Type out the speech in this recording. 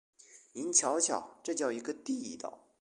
您瞧瞧，这叫一个地道！